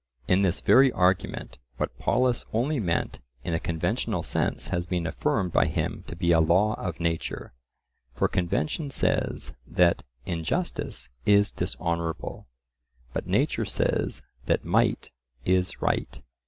In this very argument, what Polus only meant in a conventional sense has been affirmed by him to be a law of nature. For convention says that "injustice is dishonourable," but nature says that "might is right."